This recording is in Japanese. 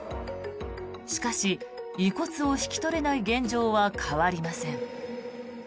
しかし遺骨を引き取れない現状は変わりません。